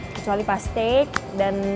kecuali pas take dan